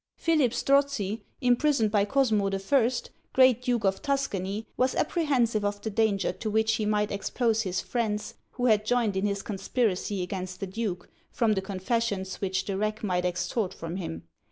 Philip Strozzi, imprisoned by Cosmo the First, Great Duke of Tuscany, was apprehensive of the danger to which he might expose his friends who had joined in his conspiracy against the duke, from the confessions which the rack might extort from him.